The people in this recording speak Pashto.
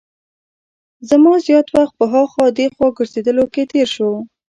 زما زیات وخت په هاخوا دیخوا ګرځېدلو کې تېر شو.